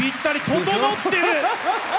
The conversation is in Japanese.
ととのってる！